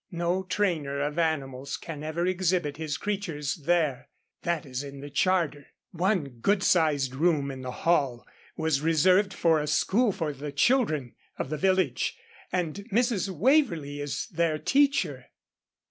No trainer of animals can ever exhibit his creatures there. That is in the charter. One good sized room in the hall was reserved for a school for the children of the village, and Mrs. Waverlee is their teacher.